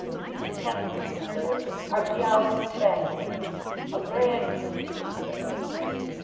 "Intensely, sir. Archaeology fascinates me. A grand pursuit, sir."